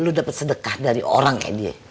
lu dapat sedekah dari orang kayak dia